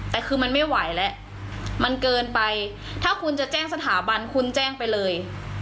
แต่คือมันไม่ไหวแล้วมันเกินไปถ้าคุณจะแจ้งสถาบันคุณแจ้งไปเลย